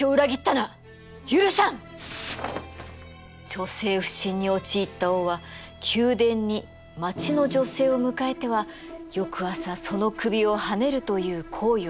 女性不信に陥った王は宮殿に町の女性を迎えては翌朝その首をはねるという行為を繰り返していました。